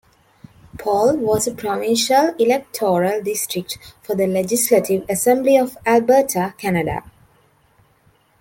Paul was a provincial electoral district for the Legislative Assembly of Alberta, Canada.